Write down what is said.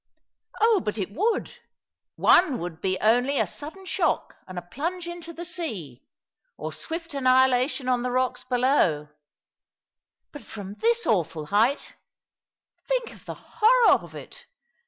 " Oh, but it would 1 One would be only a sudden shock and a plunge into the sea, or swift annihilation on the rocks below; but from this awful height — think of the horror of it